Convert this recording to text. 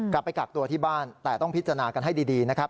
กลับไปกักตัวที่บ้านแต่ต้องพิจารณากันให้ดีนะครับ